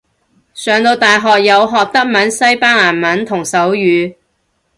上到大學有學德文西班牙文同手語